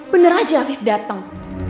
bener aja afif dateng